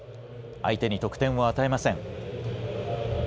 相手に得点を与えません。